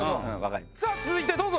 さあ続いてどうぞ。